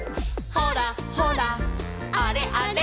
「ほらほらあれあれ」